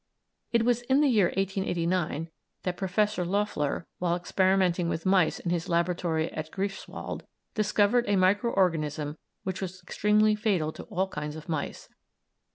It was in the year 1889 that Professor Loeffler, while experimenting with mice in his laboratory at Greifswald, discovered a micro organism which was extremely fatal to all kinds of mice.